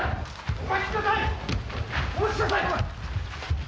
お待ちください！